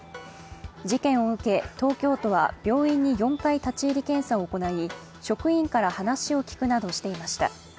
事件を受け東京都は病院に４回立ち入り検査を行い職員から話を聞くなどしていました。